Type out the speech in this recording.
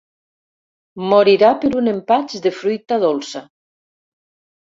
Morirà per un empatx de fruita dolça.